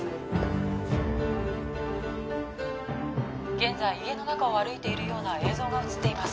現在家の中を歩いてるような映像が映っています